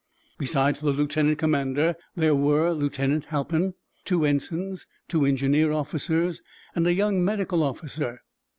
Besides the lieutenant commander there were Lieutenant Halpin, two ensigns, two engineer officers and a young medical officer.